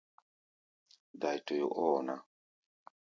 Dai-toyó ɔ́ wɔ ná.